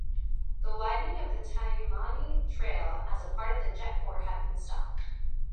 The widening of Tamiami Trail as a part of the Jetport had been stopped.